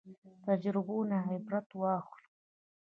تجربو نه عبرت واخلو